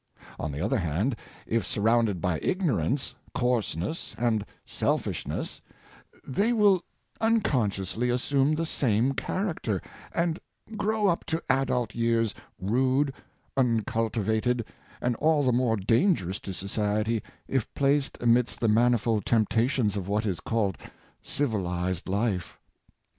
On the other hand, if surrounded by ignorance, coarseness, and selfishness, they will unconsciously as sume the same character, and grow up to adult years rude, uncultivated, and all the more dangerous to society if placed amidst the manifold temptations of what is called civilized life.